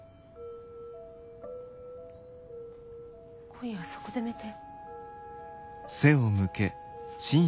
今夜はそこで寝て。